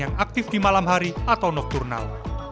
yang aktif di malam hari atau nokturnal